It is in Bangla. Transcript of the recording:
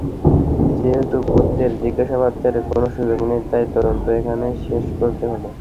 যেহেতু ভূতদের জিজ্ঞাসাবাদের কোনো সুযোগ নেই, তাই তদন্ত এখানেই শেষ করতে হলো।